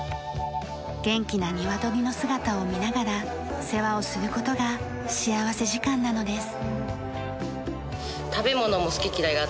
元気なニワトリの姿を見ながら世話をする事が幸福時間なのです。